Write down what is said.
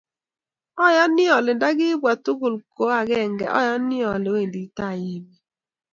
Ayani ale ndakibwa tugulu kwa agenge ayani ale wemdi tai emet